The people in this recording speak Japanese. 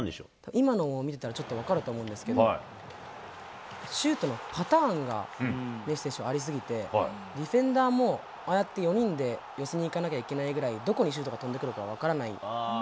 今のも見てたらちょっと分かると思うんですけど、シュートのパターンがメッシ選手はあり過ぎて、ディフェンダーも、ああやって４人で寄せにいかなきゃいけないぐらい、どこにシュートが飛んでくるか分からない。